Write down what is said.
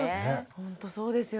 ほんとそうですよね。